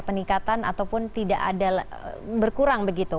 peningkatan ataupun tidak ada berkurang begitu